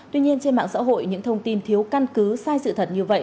tuy nhiên trên mạng xã hội những thông tin thiếu căn cứ sai sự thật như vậy